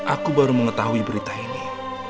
aku baru mengetahui berita ini